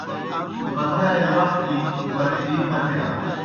بتھاریْ وخ گیْ بتھرِی پھتِیا۔